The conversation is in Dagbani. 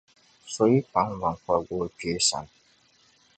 so yi paŋ biŋkɔbigu o kpee sani.